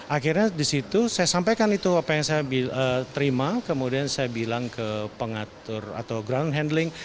akhirnya disitu saya sampaikan itu apa yang saya terima kemudian saya bilang ke pengatur atau ground handling